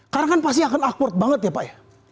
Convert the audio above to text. karena kan pasti akan akurat banget ya pak ya